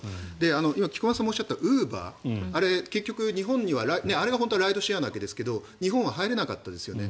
要は菊間さんもおっしゃったウーバーあれがライドシェアなわけですが日本は入れなかったですよね。